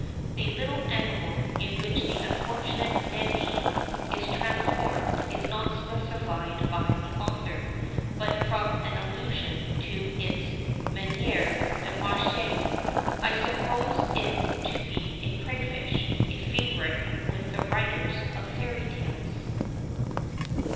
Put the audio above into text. The "little animal" into which the unfortunate Naimée is transformed, is not specified by the author, but from an allusion to its manière de marcher, I suppose it to be a crayfish, a favourite with the writers of fairy tales.